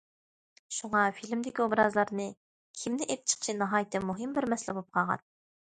شۇڭا فىلىمدىكى ئوبرازلارنى كىمنى ئېلىپ چىقىشى ناھايىتى مۇھىم بىر مەسىلە بولۇپ قالغان.